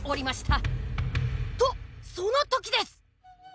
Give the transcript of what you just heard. とその時です！